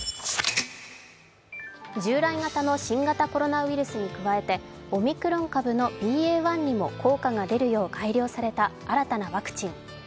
従来型の新型コロナウイルスに加えて、オミクロン株のＢＡ．１にも効果が出るよう改良された新たなワクチン。